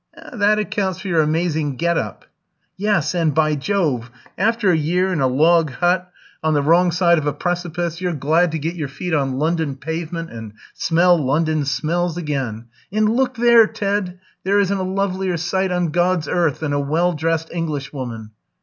"That accounts for your amazing get up." "Yes; and, by Jove! after a year in a log hut on the wrong side of a precipice, you're glad to get your feet on London pavement, and smell London smells again. And look there, Ted! There isn't a lovelier sight on God's earth than a well dressed Englishwoman.